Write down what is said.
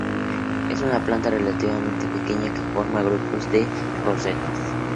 Es una planta relativamente pequeña que forma grupos de rosetas.